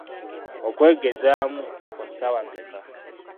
Okwegezaamu kwa saawa mekka.?